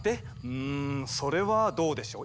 うんそれはどうでしょう。